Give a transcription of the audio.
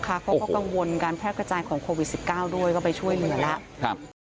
เขาก็กังวลการแพร่กระจายของโควิด๑๙ด้วยก็ไปช่วยเหลือแล้ว